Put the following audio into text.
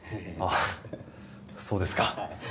ああそうですか。